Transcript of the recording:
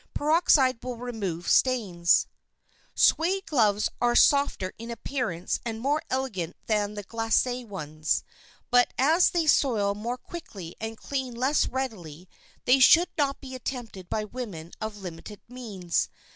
Peroxide will remove stains. [Sidenote: A WORD ON GLOVES] Suède gloves are softer in appearance and more elegant than the glacé ones, but as they soil more quickly and clean less readily they should not be attempted by women of limited means.